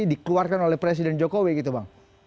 dikeluarkan oleh presiden jokowi gitu bang